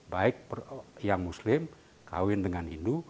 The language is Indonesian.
baik yang muslim kawin dengan hindu